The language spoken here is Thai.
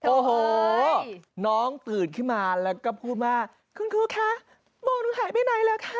โอ้โหน้องตื่นขึ้นมาแล้วก็พูดว่าคุณครูคะมองหนูหายไปไหนแล้วคะ